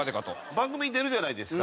番組に出るじゃないですか。